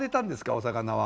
お魚は。